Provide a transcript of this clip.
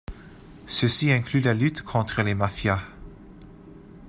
Ceci inclut la lutte contre les mafias.